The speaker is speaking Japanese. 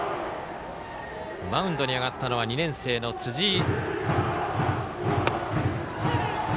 マウンドに上がったのは２年生の辻井。